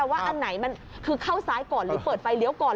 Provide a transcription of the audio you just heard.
ว่าอันไหนมันคือเข้าซ้ายก่อนหรือเปิดไฟเลี้ยวก่อน